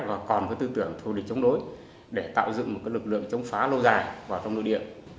và còn tư tưởng thù địch chống đối để tạo dựng một lực lượng chống phá lâu dài vào trong nội địa